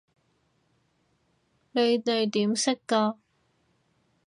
你哋點識㗎？